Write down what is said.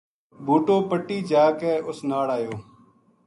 بوٹو پٹی جا کے اس ناڑ ایو